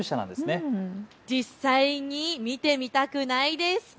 実際に見てみたくないですか。